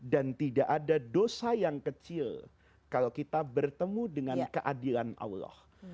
dan tidak ada dosa yang kecil kalau kita bertemu dengan keadilan allah